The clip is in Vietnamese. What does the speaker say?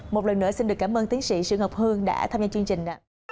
một lần nữa xin được cảm ơn tiến sĩ sư ngọc hương đã tham gia chương trình